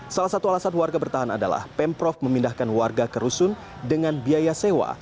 salah satu alasan warga bertahan adalah pemprov memindahkan warga ke rusun dengan biaya sewa